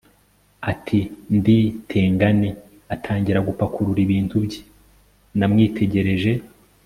ati ndi tengani, atangira gupakurura ibintu bye. namwitegereje